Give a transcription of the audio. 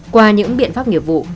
qua những biện pháp nghiệp vụ